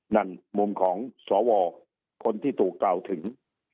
นั่นมุมของสวคนที่ถูกกล่าวถึง